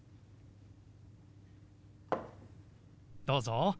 どうぞ。